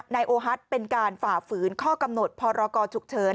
นายโอฮัทเป็นการฝ่าฝืนข้อกำหนดพรกรฉุกเฉิน